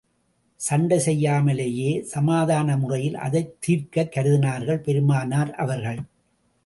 சண்டை செய்யாமலேயே, சமாதான முறையில் அதைத் தீர்க்கக் கருதினார்கள் பெருமானார் அவர்கள்.